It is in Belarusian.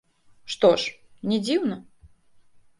Што ж, не дзіўна.